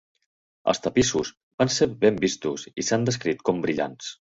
Els tapissos van ser ben vistos, i s'han descrit com brillants.